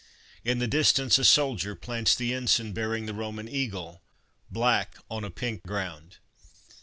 In the distance, a soldier plants the ensign bearing the Roman eagle, black on a pink ground